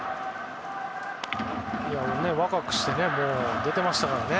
若くして出てましたからね。